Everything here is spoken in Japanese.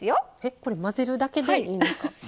これ、混ぜるだけでいいんですか？